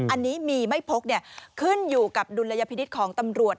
อันนี้มีไม่พกขึ้นอยู่กับดุลยพินิษฐ์ของตำรวจ